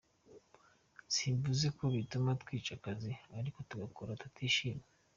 Simvuze ko bituma twica akazi ariko tugakora tutishimye.